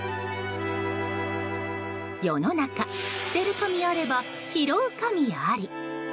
世の中捨てる神あれば拾う神あり。